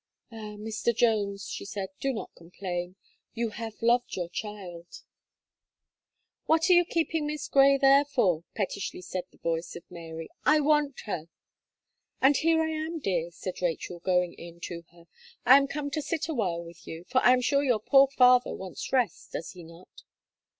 "Ah! Mr. Jones," she said, "do not complain; you have loved your child." "What are you keeping Miss Gray there for?" pettishly said the voice of Mary, "I want her." "And here I am, dear," said Rachel, going in to her, "I am come to sit a while with you; for I am sure your poor father wants rest, does he not?"